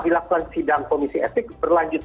dilakukan sidang komisi etik berlanjut